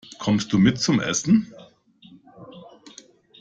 Kommst du mit zum Essen?